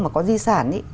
mà có di sản